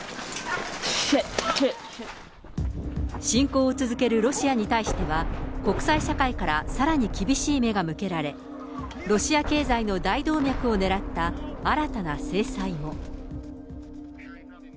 侵攻を続けるロシアに対しては、国際社会からさらに厳しい目が向けられ、ロシア経済の大動脈をねらった新たな制裁も。